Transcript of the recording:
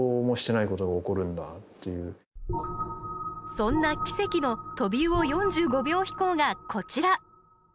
そんな奇跡のトビウオ４５秒飛行がこちら。